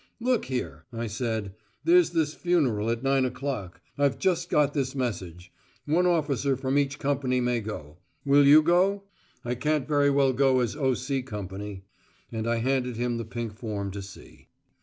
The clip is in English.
"Look here," I said. "There's this funeral at nine o'clock. I've just got this message. One officer from each company may go. Will you go? I can't very well go as O.C. Company." And I handed him the pink form to see.